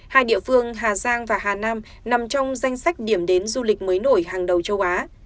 hai địa phương hà giang và hà nam nằm trong danh sách điểm đến du lịch mới nổi hàng đầu châu á